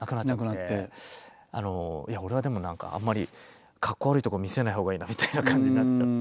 いや俺はでも何かあんまりかっこ悪いとこ見せないほうがいいなみたいな感じになっちゃって。